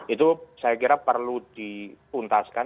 itu saya kira perlu dituntaskan